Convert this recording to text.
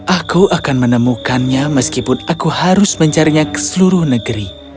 aku akan menemukannya meskipun aku harus mencarinya ke seluruh negeri